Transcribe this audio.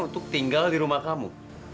untuk tinggal di rumah kamu